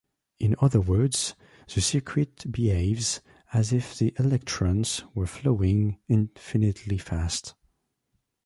In other words, the circuit behaves as if the electrons were flowing infinitely fast.